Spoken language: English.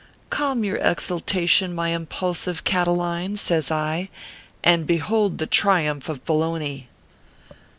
"Calm your exultation, my impulsive Catiline/ says I, " and behold the triumph of Bologna.